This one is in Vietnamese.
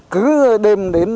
cứ đem đến